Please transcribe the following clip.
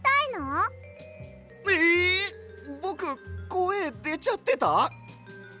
ぼくこえでちゃってた？